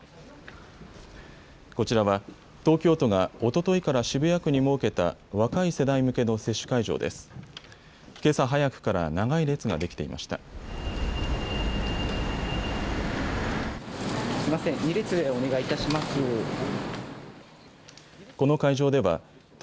こちらは東京都がおとといから渋谷区に設けた若い世代向けの接種会場です。